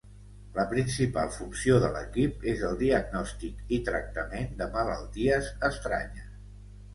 La principal funció de l'equip és el diagnòstic i tractament de malalties estranyes.